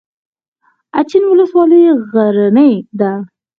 اچین ولسوالۍ غرنۍ ده؟